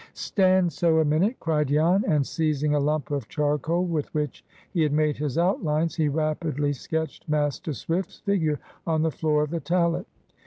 "Stand so a minute!" cried Jan, and seizing a lump of charcoal, with which he had made his outlines, he rapidly sketched Master Swift's figure on the floor of the tallet.